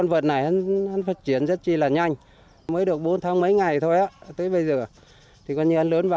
ngoài phân trường hoai mục bón lót ra